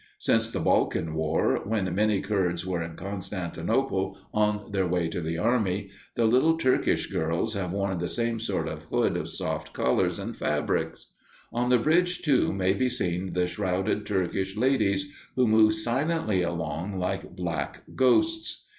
Since the Balkan War, when many Kurds were in Constantinople on their way to the army, the little Turkish girls have worn the same sort of hood of soft colors and fabrics. On the bridge, too, may be seen the shrouded Turkish ladies, who move silently along like black ghosts.